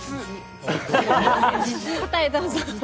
答え、どうぞ。